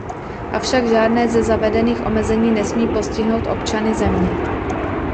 Avšak žádné ze zavedených omezení nesmí postihnout občany země.